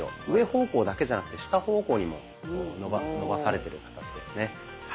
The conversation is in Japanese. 上方向だけじゃなくて下方向にも伸ばされてる形ですね。